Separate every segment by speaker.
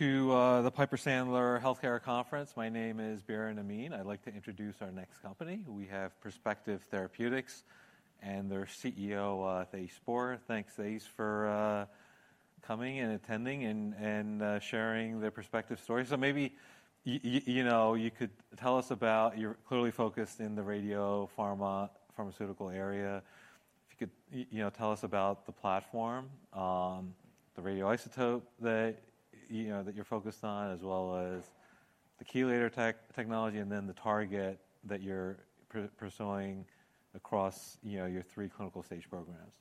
Speaker 1: To the Piper Sandler Healthcare Conference, my name is Biren Amin. I'd like to introduce our next company. We have Perspective Therapeutics and their CEO, Thijs Spoor. Thanks, Thijs, for coming and attending and sharing their Perspective story. So maybe you could tell us about you are clearly focused in the radiopharmaceutical area. If you could tell us about the platform, the radioisotope that you are focused on, as well as the chelator technology, and then the target that you are pursuing across your three clinical stage programs.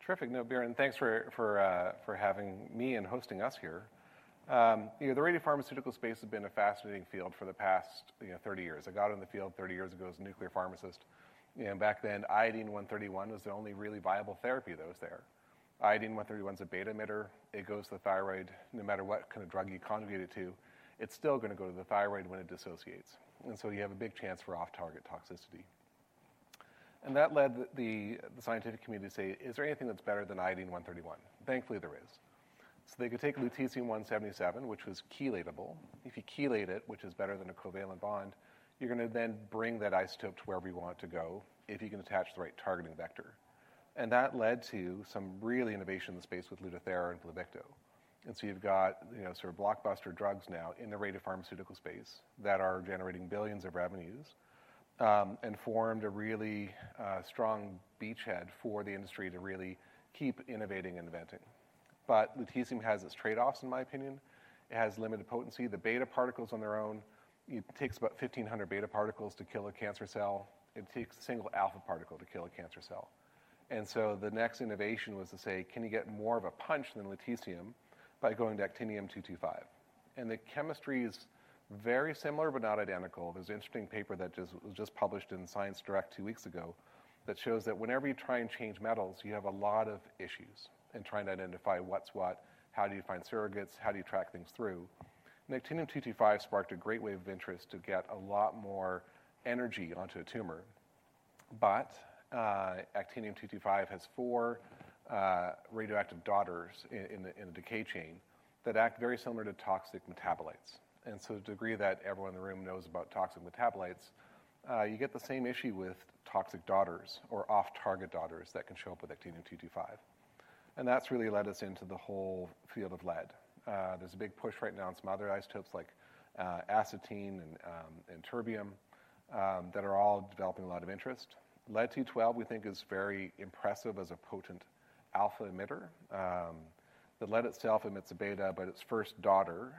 Speaker 2: Terrific. No, Biren, thanks for having me and hosting us here. The radiopharmaceutical space has been a fascinating field for the past 30 years. I got in the field 30 years ago as a nuclear pharmacist. And back then, Iodine-131 was the only really viable therapy that was there. Iodine-131 is a beta emitter. It goes to the thyroid. No matter what kind of drug you conjugate it to, it's still going to go to the thyroid when it dissociates. And that led the scientific community to say, is there anything that's better than Iodine-131? Thankfully, there is. So they could take Lutetium-177, which was chelatable. If you chelate it, which is better than a covalent bond, you're going to then bring that isotope to wherever you want it to go if you can attach the right targeting vector. That led to some real innovation in the space with Lutathera and Pluvicto. You've got sort of blockbuster drugs now in the radiopharmaceutical space that are generating billions of revenues and formed a really strong beachhead for the industry to really keep innovating and inventing. Lutetium has its trade-offs, in my opinion. It has limited potency. The beta particles on their own, it takes about 1,500 beta particles to kill a cancer cell. It takes a single alpha particle to kill a cancer cell. The next innovation was to say, can you get more of a punch than lutetium by going to Actinium-225? And the chemistry is very similar, but not identical. There's an interesting paper that was just published in ScienceDirect two weeks ago that shows that whenever you try and change metals, you have a lot of issues in trying to identify what's what. How do you find surrogates? How do you track things through? And Actinium-225 sparked a great wave of interest to get a lot more energy onto a tumor. But Actinium-225 has four radioactive daughters in the decay chain that act very similar to toxic metabolites. And so to the degree that everyone in the room knows about toxic metabolites, you get the same issue with toxic daughters or off-target daughters that can show up with Actinium-225. And that's really led us into the whole field of lead. There's a big push right now in some other isotopes like astatine and terbium that are all developing a lot of interest. Lead-212, we think, is very impressive as a potent alpha emitter. The lead itself emits a beta, but its first daughter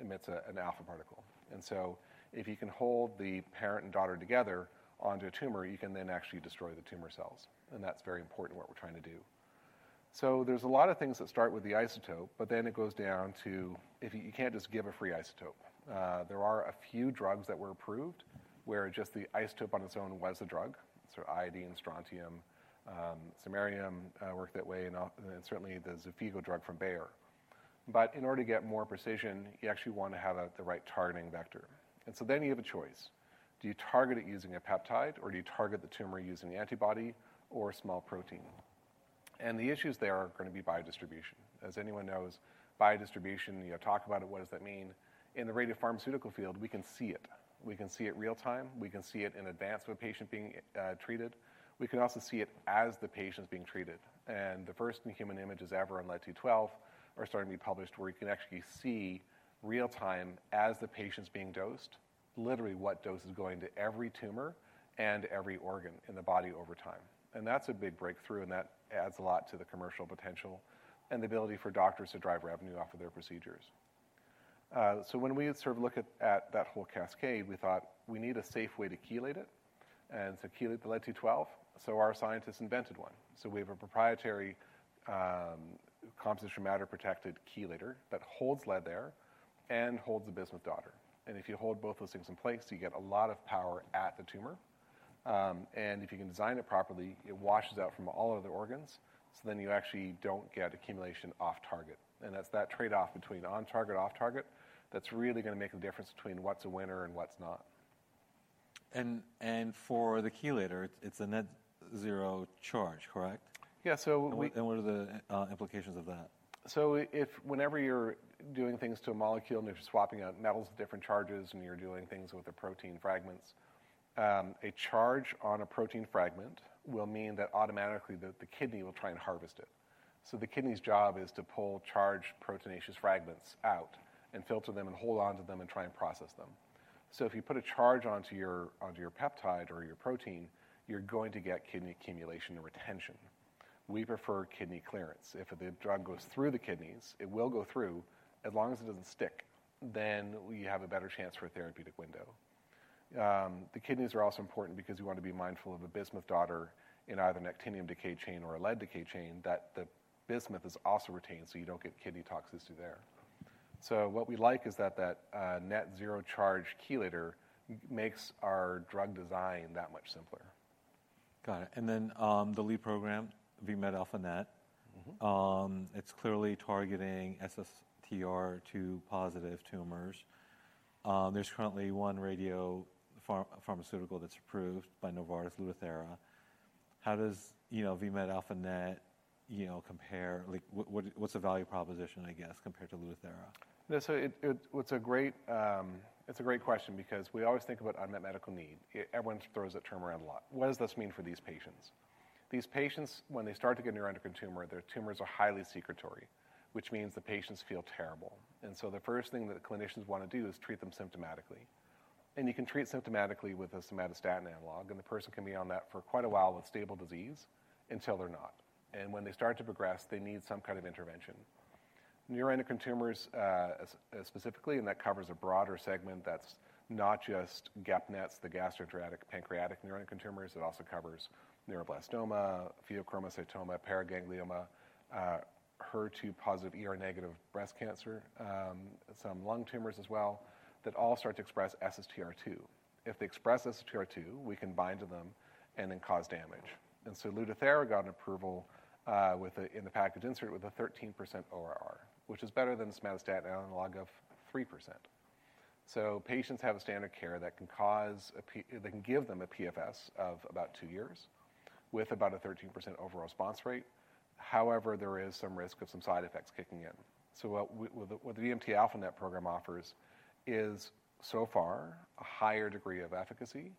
Speaker 2: emits an alpha particle. And so if you can hold the parent and daughter together onto a tumor, you can then actually destroy the tumor cells. And that's very important in what we're trying to do. So there's a lot of things that start with the isotope, but then it goes down to you can't just give a free isotope. There are a few drugs that were approved where just the isotope on its own was a drug. So iodine, strontium, samarium worked that way, and certainly the Zofigo drug from Bayer. But in order to get more precision, you actually want to have the right targeting vector. And so then you have a choice. Do you target it using a peptide, or do you target the tumor using the antibody or small protein? And the issues there are going to be biodistribution. As anyone knows, biodistribution, you talk about it, what does that mean? In the radiopharmaceutical field, we can see it. We can see it real time. We can see it in advance of a patient being treated. We can also see it as the patient's being treated. And the first-in-human images ever on Lead-212 are starting to be published where you can actually see real time as the patient's being dosed, literally what dose is going to every tumor and every organ in the body over time. And that's a big breakthrough, and that adds a lot to the commercial potential and the ability for doctors to drive revenue off of their procedures. So when we sort of look at that whole cascade, we thought we need a safe way to chelate it. And so chelate the Lead-212. So our scientists invented one. So we have a proprietary composition of matter protected chelator that holds Lead there and holds the Bismuth daughter. And if you hold both those things in place, you get a lot of power at the tumor. And if you can design it properly, it washes out from all other organs. So then you actually don't get accumulation off-target. And that's that trade-off between on-target, off-target that's really going to make the difference between what's a winner and what's not.
Speaker 1: For the chelator, it's a net zero charge, correct?
Speaker 2: Yeah.
Speaker 1: What are the implications of that?
Speaker 2: Whenever you're doing things to a molecule and you're swapping out metals with different charges and you're doing things with the protein fragments, a charge on a protein fragment will mean that automatically the kidney will try and harvest it. The kidney's job is to pull charged proteinaceous fragments out and filter them and hold on to them and try and process them. If you put a charge onto your peptide or your protein, you're going to get kidney accumulation and retention. We prefer kidney clearance. If the drug goes through the kidneys, it will go through. As long as it doesn't stick, then you have a better chance for a therapeutic window. The kidneys are also important because you want to be mindful of a bismuth daughter in either an actinium decay chain or a lead decay chain, that the bismuth is also retained so you don't get kidney toxicity there. So what we like is that that net-zero-charge chelator makes our drug design that much simpler.
Speaker 1: Got it. And then the lead program, VMT-α-NET, it's clearly targeting SSTR2 positive tumors. There's currently one radiopharmaceutical that's approved by Novartis, Lutathera. How does VMT-α-NET compare? What's the value proposition, I guess, compared to Lutathera?
Speaker 2: It's a great question because we always think about unmet medical need. Everyone throws that term around a lot. What does this mean for these patients? These patients, when they start to get neuroendocrine tumor, their tumors are highly secretory, which means the patients feel terrible. So the first thing that clinicians want to do is treat them symptomatically. You can treat symptomatically with a somatostatin analog, and the person can be on that for quite a while with stable disease until they're not. When they start to progress, they need some kind of intervention. Neuroendocrine tumors specifically, and that covers a broader segment that's not just GAP-NETs, the gastroenteropancreatic neuroendocrine tumors. It also covers neuroblastoma, pheochromocytoma, paraganglioma, HER2 positive negative breast cancer, some lung tumors as well that all start to express SSTR2. If they express SSTR2, we can bind to them and then cause damage. And so Lutathera got approval in the package insert with a 13% ORR, which is better than the somatostatin analog of 3%. So patients have a standard care that can cause they can give them a PFS of about two years with about a 13% overall response rate. However, there is some risk of some side effects kicking in. So what the VMT-α-NET program offers is, so far, a higher degree of efficacy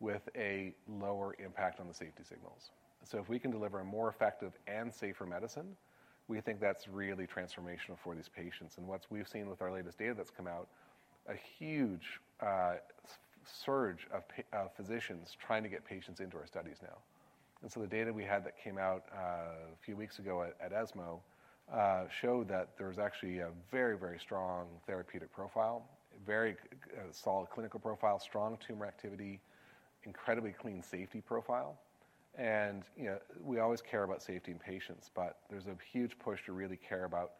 Speaker 2: with a lower impact on the safety signals. So if we can deliver a more effective and safer medicine, we think that's really transformational for these patients. And what we've seen with our latest data that's come out, a huge surge of physicians trying to get patients into our studies now. And so the data we had that came out a few weeks ago at ESMO showed that there was actually a very, very strong therapeutic profile, very solid clinical profile, strong tumor activity, incredibly clean safety profile. And we always care about safety in patients, but there's a huge push to really care about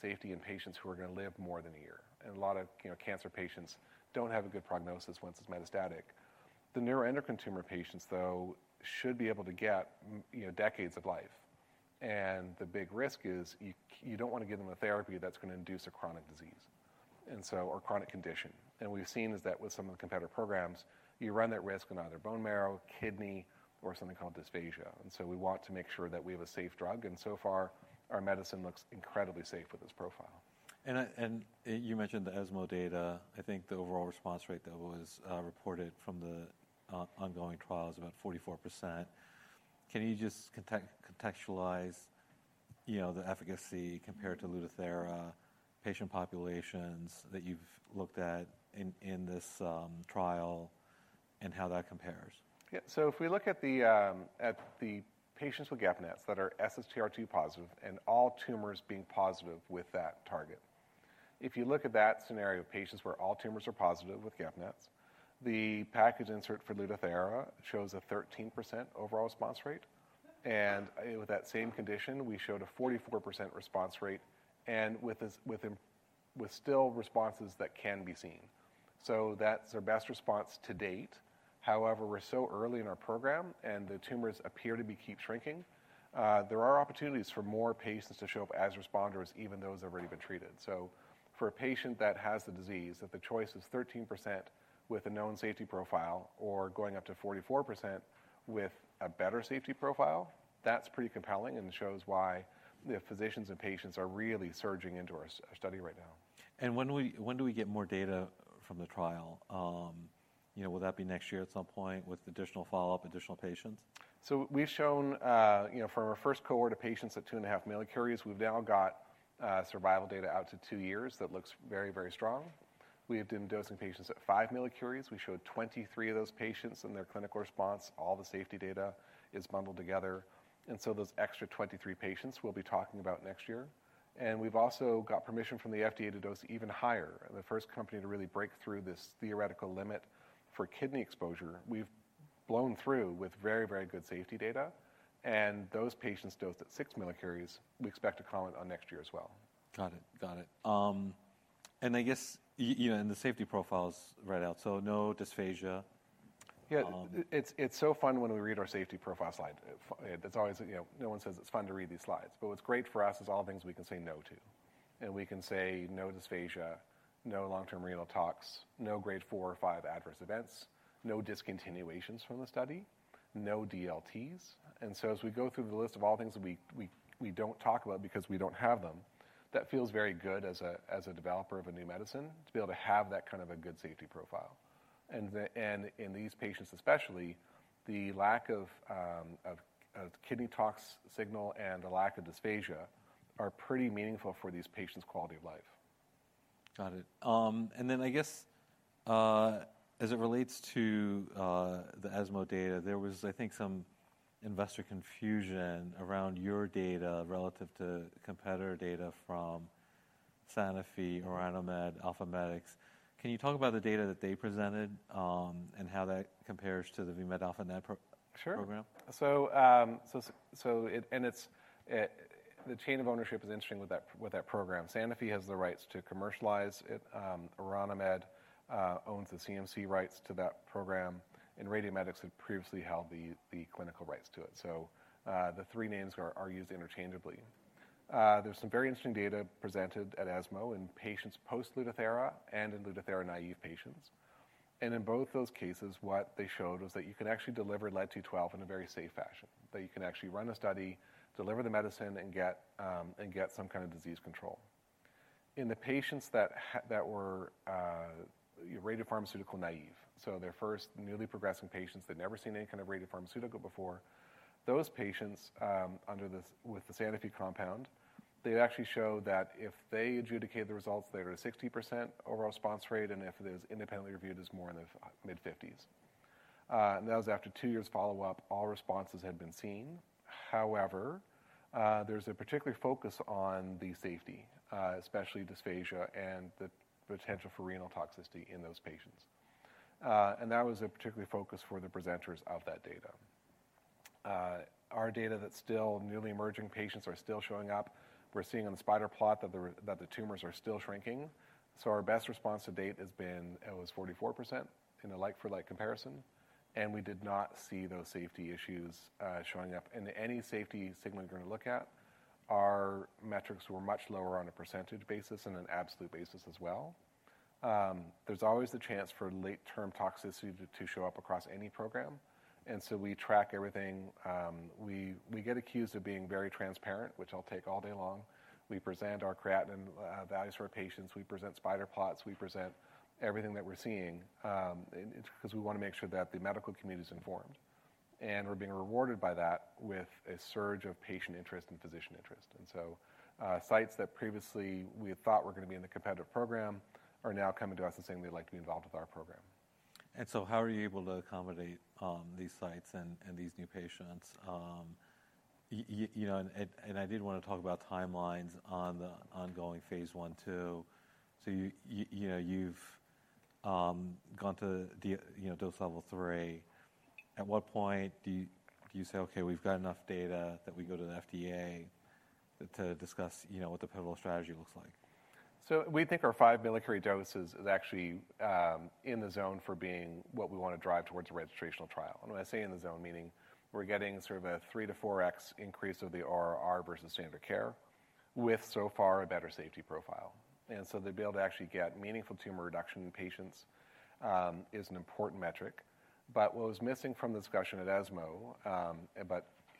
Speaker 2: safety in patients who are going to live more than a year. And a lot of cancer patients don't have a good prognosis once it's metastatic. The neuroendocrine tumor patients, though, should be able to get decades of life. And the big risk is you don't want to give them a therapy that's going to induce a chronic disease or chronic condition. And we've seen is that with some of the competitor programs, you run that risk in either bone marrow, kidney, or something called dysphagia. We want to make sure that we have a safe drug. So far, our medicine looks incredibly safe with this profile.
Speaker 1: You mentioned the ESMO data. I think the overall response rate that was reported from the ongoing trial is about 44%. Can you just contextualize the efficacy compared to Lutathera patient populations that you've looked at in this trial and how that compares?
Speaker 2: Yeah. So if we look at the patients with GAP-NETs that are SSTR2 positive and all tumors being positive with that target, if you look at that scenario of patients where all tumors are positive with GAP-NETs, the package insert for Lutathera shows a 13% overall response rate. And with that same condition, we showed a 44% response rate and with still responses that can be seen. So that's our best response to date. However, we're so early in our program and the tumors appear to keep shrinking, there are opportunities for more patients to show up as responders, even those that have already been treated. So for a patient that has the disease, if the choice is 13% with a known safety profile or going up to 44% with a better safety profile, that's pretty compelling and shows why the physicians and patients are really surging into our study right now.
Speaker 1: When do we get more data from the trial? Will that be next year at some point with additional follow-up, additional patients?
Speaker 2: So we've shown from our first cohort of patients at 2.5 mCis, we've now got survival data out to two years that looks very, very strong. We have been dosing patients at 5 mCis. We showed 23 of those patients and their clinical response. All the safety data is bundled together. And so those extra 23 patients we'll be talking about next year. And we've also got permission from the FDA to dose even higher. The first company to really break through this theoretical limit for kidney exposure, we've blown through with very, very good safety data. And those patients dosed at 6 mCis, we expect to comment on next year as well.
Speaker 1: Got it. Got it. And I guess in the safety profiles right out, so no dysphagia.
Speaker 2: Yeah. It's so fun when we read our safety profile slide. No one says it's fun to read these slides. But what's great for us is all things we can say no to. And we can say no dysphagia, no long-term renal tox, no grade four or five adverse events, no discontinuations from the study, no DLTs. And so as we go through the list of all things that we don't talk about because we don't have them, that feels very good as a developer of a new medicine to be able to have that kind of a good safety profile. And in these patients especially, the lack of kidney tox signal and the lack of dysphagia are pretty meaningful for these patients' quality of life.
Speaker 1: Got it. And then I guess as it relates to the ESMO data, there was, I think, some investor confusion around your data relative to competitor data from Sanofi, Orano Med, AlphaMedix. Can you talk about the data that they presented and how that compares to the VMT-α-NET program?
Speaker 2: Sure. And the chain of ownership is interesting with that program. Sanofi has the rights to commercialize it. Oranimed owns the CMC rights to that program. And Radiomedics had previously held the clinical rights to it. So the three names are used interchangeably. There's some very interesting data presented at ESMO in patients post Lutathera and in Lutathera naive patients. And in both those cases, what they showed was that you can actually deliver Lead-212 in a very safe fashion, that you can actually run a study, deliver the medicine, and get some kind of disease control. In the patients that were radiopharmaceutical naive, so their first newly progressing patients that had never seen any kind of radiopharmaceutical before, those patients with the Sanofi compound, they actually showed that if they adjudicated the results, they had a 60% overall response rate, and if it was independently reviewed, it was more in the mid-50s, and that was after two years' follow-up. All responses had been seen. However, there's a particular focus on the safety, especially dysphagia and the potential for renal toxicity in those patients, and that was a particular focus for the presenters of that data. Our data that still newly emerging patients are still showing up, we're seeing on the spider plot that the tumors are still shrinking, so our best response to date has been it was 44% in a like-for-like comparison, and we did not see those safety issues showing up. And any safety signal you're going to look at, our metrics were much lower on a percentage basis and an absolute basis as well. There's always the chance for late-term toxicity to show up across any program. And so we track everything. We get accused of being very transparent, which I'll take all day long. We present our creatinine values for our patients. We present spider plots. We present everything that we're seeing because we want to make sure that the medical community is informed. And we're being rewarded by that with a surge of patient interest and physician interest. And so sites that previously we had thought were going to be in the competitive program are now coming to us and saying they'd like to be involved with our program.
Speaker 1: And so how are you able to accommodate these sites and these new patients? And I did want to talk about timelines on the ongoing phase one, two. So you've gone to dose level three. At what point do you say, "Okay, we've got enough data that we go to the FDA to discuss what the pivotal strategy looks like?
Speaker 2: So we think our 5 mCi dose is actually in the zone for being what we want to drive towards a registrational trial. And when I say in the zone, meaning we're getting sort of a 3x-4x increase of the ORR versus standard care with so far a better safety profile. And so the ability to actually get meaningful tumor reduction in patients is an important metric. But what was missing from the discussion at ESMO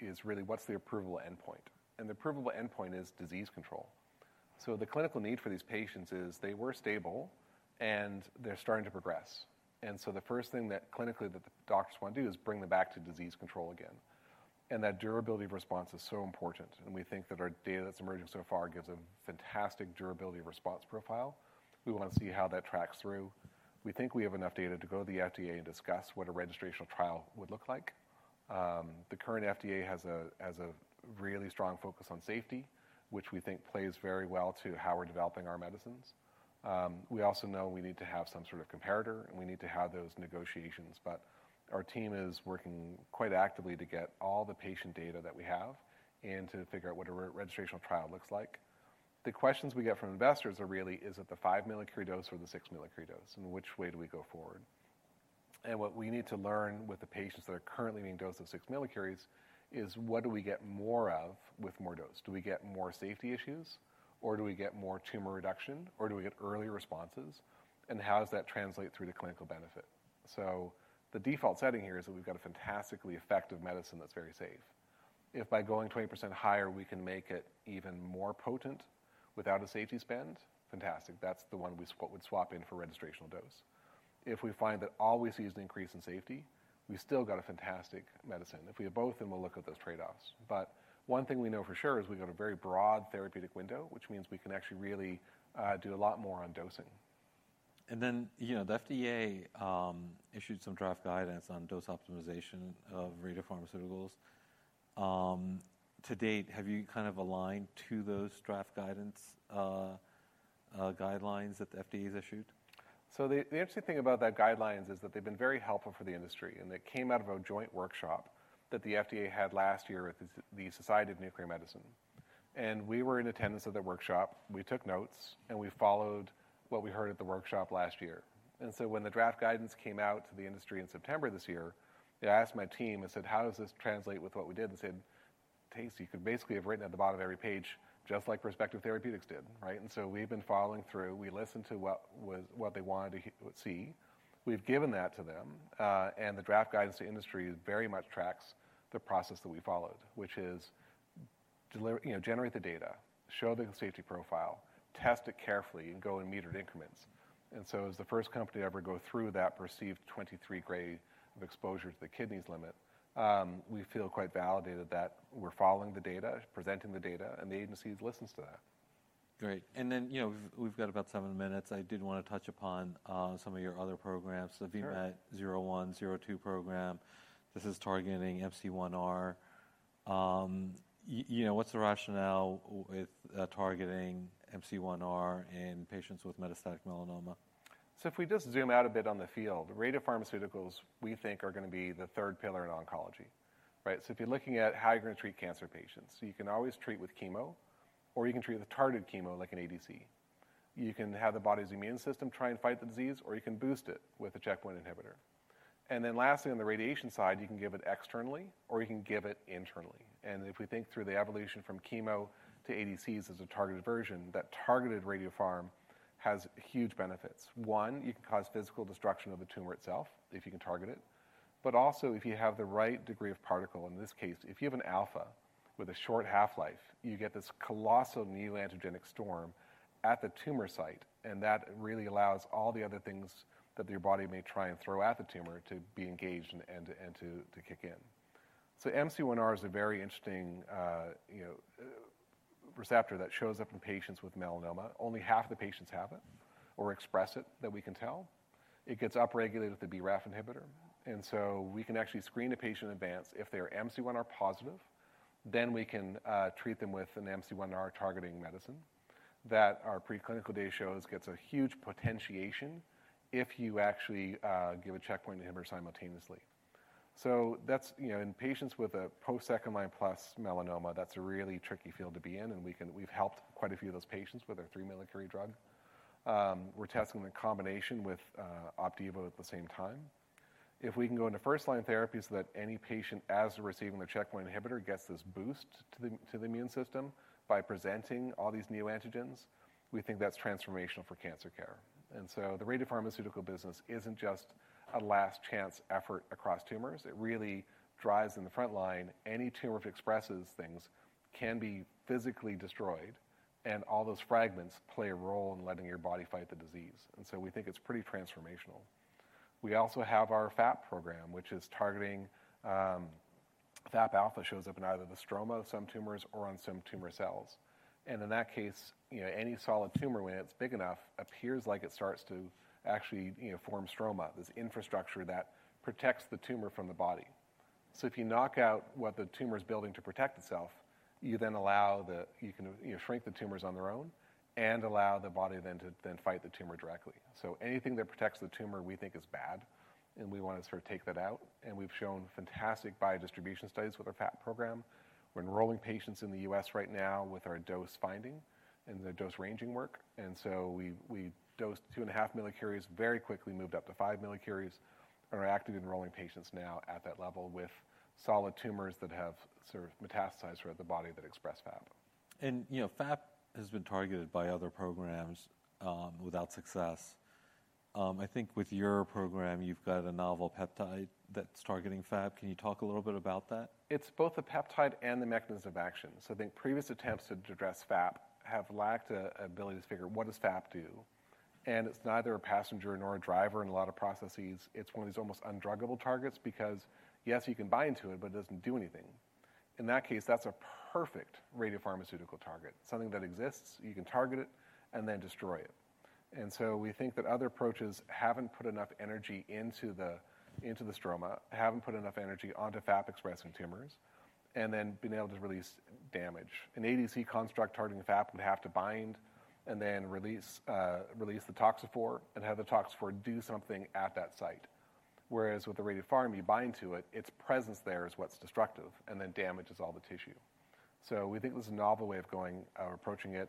Speaker 2: is really what's the approval endpoint? And the approval endpoint is disease control. So the clinical need for these patients is they were stable and they're starting to progress. And so the first thing that clinically that the doctors want to do is bring them back to disease control again. And that durability of response is so important. We think that our data that's emerging so far gives a fantastic durability of response profile. We want to see how that tracks through. We think we have enough data to go to the FDA and discuss what a registrational trial would look like. The current FDA has a really strong focus on safety, which we think plays very well to how we're developing our medicines. We also know we need to have some sort of comparator, and we need to have those negotiations. But our team is working quite actively to get all the patient data that we have and to figure out what a registrational trial looks like. The questions we get from investors are really, is it the 5 mCi dose or the 6 mCi dose? And which way do we go forward? And what we need to learn with the patients that are currently being dosed with 6 mCi is what do we get more of with more dose? Do we get more safety issues, or do we get more tumor reduction, or do we get earlier responses? And how does that translate through to clinical benefit? So the default setting here is that we've got a fantastically effective medicine that's very safe. If by going 20% higher, we can make it even more potent without a safety spend, fantastic. That's the one we would swap in for registrational dose. If we find that all we see is an increase in safety, we've still got a fantastic medicine. If we have both, then we'll look at those trade-offs. But one thing we know for sure is we've got a very broad therapeutic window, which means we can actually really do a lot more on dosing.
Speaker 1: And then the FDA issued some draft guidance on dose optimization of radiopharmaceuticals. To date, have you kind of aligned to those draft guidance guidelines that the FDA has issued?
Speaker 2: So the interesting thing about that guidelines is that they've been very helpful for the industry. And they came out of a joint workshop that the FDA had last year with the Society of Nuclear Medicine. And we were in attendance at that workshop. We took notes, and we followed what we heard at the workshop last year. And so when the draft guidance came out to the industry in September this year, I asked my team and said, "How does this translate with what we did?" And they said, "Thijs, you could basically have written at the bottom of every page just like Perspective Therapeutics did." Right? And so we've been following through. We listened to what they wanted to see. We've given that to them. And the draft guidance to industry very much tracks the process that we followed, which is generate the data, show the safety profile, test it carefully, and go and meter it in increments. And so as the first company to ever go through that perceived grade 2-3 of exposure to the kidneys limit, we feel quite validated that we're following the data, presenting the data, and the agency listens to that.
Speaker 1: Great. And then we've got about seven minutes. I did want to touch upon some of your other programs, the VMED 01, 02 program. This is targeting MC1R. What's the rationale with targeting MC1R in patients with metastatic melanoma?
Speaker 2: So if we just zoom out a bit on the field, radiopharmaceuticals we think are going to be the third pillar in oncology. Right? So if you're looking at how you're going to treat cancer patients, you can always treat with chemo, or you can treat with targeted chemo like an ADC. You can have the body's immune system try and fight the disease, or you can boost it with a checkpoint inhibitor. And then lastly, on the radiation side, you can give it externally, or you can give it internally. And if we think through the evolution from chemo to ADCs as a targeted version, that targeted radiopharm has huge benefits. One, you can cause physical destruction of the tumor itself if you can target it. But also, if you have the right degree of particle, in this case, if you have an alpha with a short half-life, you get this colossal new antigenic storm at the tumor site. And that really allows all the other things that your body may try and throw at the tumor to be engaged and to kick in. So MC1R is a very interesting receptor that shows up in patients with melanoma. Only half of the patients have it or express it that we can tell. It gets upregulated with the BRAF inhibitor. And so we can actually screen a patient in advance. If they are MC1R positive, then we can treat them with an MC1R targeting medicine that our preclinical data shows gets a huge potentiation if you actually give a checkpoint inhibitor simultaneously. In patients with a post-second-line plus melanoma, that's a really tricky field to be in. We've helped quite a few of those patients with our three mCi drug. We're testing the combination with Opdivo at the same time. If we can go into first-line therapies so that any patient is receiving the checkpoint inhibitor gets this boost to the immune system by presenting all these new antigens, we think that's transformational for cancer care. The radiopharmaceutical business isn't just a last chance effort across tumors. It really drives in the front line. Any tumor that expresses things can be physically destroyed, and all those fragments play a role in letting your body fight the disease. We think it's pretty transformational. We also have our FAP program, which is targeting FAP alpha that shows up in either the stroma of some tumors or on some tumor cells. And in that case, any solid tumor when it's big enough appears like it starts to actually form stroma, this infrastructure that protects the tumor from the body. So if you knock out what the tumor is building to protect itself, you then allow the tumors to shrink on their own and allow the body then to fight the tumor directly. So anything that protects the tumor we think is bad, and we want to sort of take that out. And we've shown fantastic biodistribution studies with our FAP program. We're enrolling patients in the US right now with our dose finding and the dose ranging work. And so we dosed 2.5 mCi, very quickly moved up to 5 mCi, and are actively enrolling patients now at that level with solid tumors that have sort of metastasized throughout the body that express FAP.
Speaker 1: FAP has been targeted by other programs without success. I think with your program, you've got a novel peptide that's targeting FAP. Can you talk a little bit about that?
Speaker 2: It's both a peptide and the mechanism of action. So I think previous attempts to address FAP have lacked an ability to figure what does FAP do. And it's neither a passenger nor a driver in a lot of processes. It's one of these almost undruggable targets because, yes, you can bind to it, but it doesn't do anything. In that case, that's a perfect radiopharmaceutical target, something that exists. You can target it and then destroy it. And so we think that other approaches haven't put enough energy into the stroma, haven't put enough energy onto FAP expressing tumors, and then been able to release damage. An ADC construct targeting FAP would have to bind and then release the toxophore and have the toxophore do something at that site. Whereas with the radiopharm, you bind to it, its presence there is what's destructive and then damages all the tissue. So we think there's a novel way of approaching it.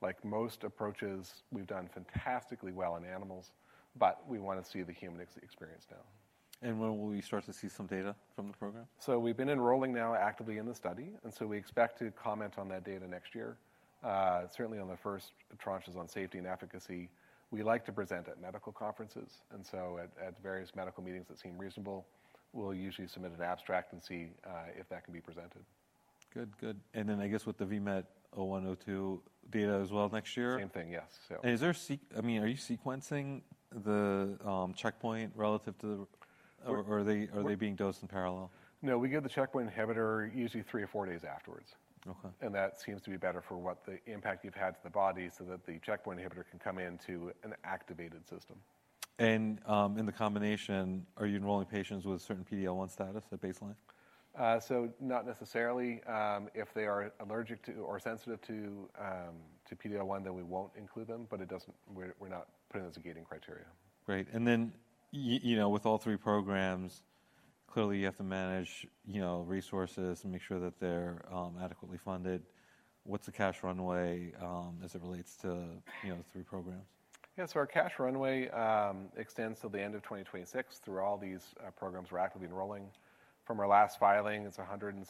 Speaker 2: Like most approaches, we've done fantastically well in animals, but we want to see the human experience now.
Speaker 1: When will we start to see some data from the program?
Speaker 2: So we've been enrolling now actively in the study. We expect to comment on that data next year, certainly on the first tranches on safety and efficacy. We like to present at medical conferences. At various medical meetings that seem reasonable, we'll usually submit an abstract and see if that can be presented.
Speaker 1: Good, good. And then I guess with the VMED 01, 02 data as well next year?
Speaker 2: Same thing, yes.
Speaker 1: Is there, I mean, are you sequencing the checkpoint relative to the, or are they being dosed in parallel?
Speaker 2: No, we give the checkpoint inhibitor usually three or four days afterwards, and that seems to be better for what the impact you've had to the body so that the checkpoint inhibitor can come into an activated system.
Speaker 1: In the combination, are you enrolling patients with a certain PD-L1 status at baseline?
Speaker 2: So not necessarily. If they are allergic to or sensitive to PD-L1, then we won't include them, but we're not putting those as a gating criteria.
Speaker 1: Great. And then with all three programs, clearly you have to manage resources and make sure that they're adequately funded. What's the cash runway as it relates to the three programs?
Speaker 2: Yeah, so our cash runway extends till the end of 2026 through all these programs we're actively enrolling. From our last filing, it's $172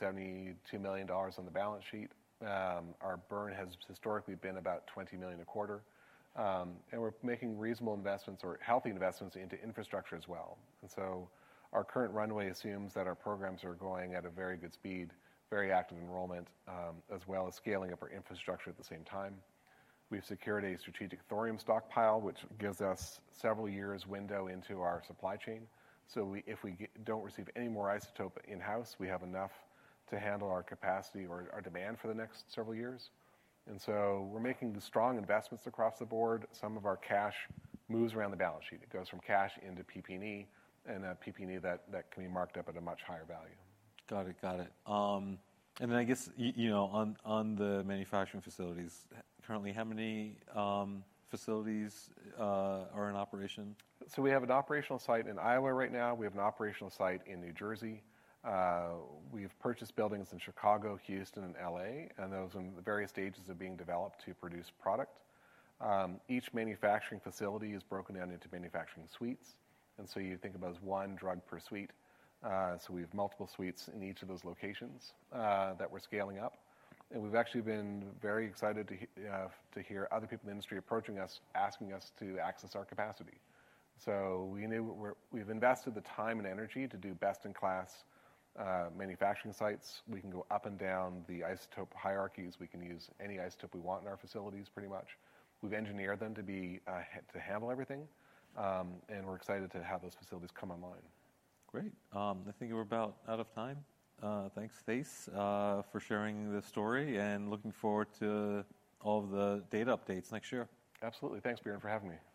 Speaker 2: million on the balance sheet. Our burn has historically been about $20 million a quarter. And we're making reasonable investments or healthy investments into infrastructure as well. And so our current runway assumes that our programs are going at a very good speed, very active enrollment, as well as scaling up our infrastructure at the same time. We've secured a strategic thorium stockpile, which gives us several years' window into our supply chain. So if we don't receive any more isotope in-house, we have enough to handle our capacity or our demand for the next several years. And so we're making strong investments across the board. Some of our cash moves around the balance sheet. It goes from cash into PP&E, and that PP&E can be marked up at a much higher value.
Speaker 1: Got it, got it. And then I guess on the manufacturing facilities, currently how many facilities are in operation?
Speaker 2: So we have an operational site in Iowa right now. We have an operational site in New Jersey. We've purchased buildings in Chicago, Houston, and L.A., and those are in the various stages of being developed to produce product. Each manufacturing facility is broken down into manufacturing suites. And so you think of it as one drug per suite. So we have multiple suites in each of those locations that we're scaling up. And we've actually been very excited to hear other people in the industry approaching us, asking us to access our capacity. So we've invested the time and energy to do best-in-class manufacturing sites. We can go up and down the isotope hierarchies. We can use any isotope we want in our facilities, pretty much. We've engineered them to handle everything. And we're excited to have those facilities come online.
Speaker 1: Great. I think we're about out of time. Thanks, Thijs, for sharing the story and looking forward to all of the data updates next year.
Speaker 2: Absolutely. Thanks, Biren, for having me.